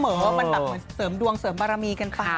มันแบบเหมือนเสริมดวงเสริมบารมีกันไป